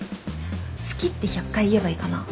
好きって１００回言えばいいかな？